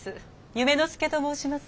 夢の助と申します。